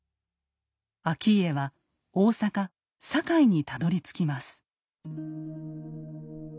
顕家は大阪・堺にたどりつきます。